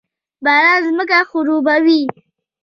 باران ځمکه خړوبوي